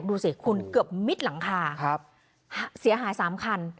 ดูสิคุณเกือบมิดหลังคาเสียหาย๓คัน